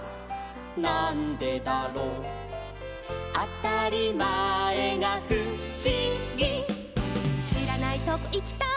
なんでだろう」「あたりまえがふしぎ」「しらないとこいきたい」